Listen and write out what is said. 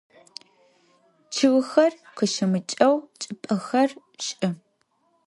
Чъыгхэр къыщымыкӏэу чӏыпӏэхэр щыӏ.